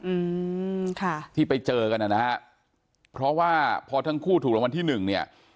อืมค่ะที่ไปเจอกันอ่ะนะฮะเพราะว่าพอทั้งคู่ถูกรางวัลที่หนึ่งเนี่ย